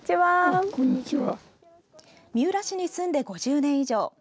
三浦市に住んで５０年以上。